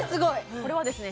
これはですね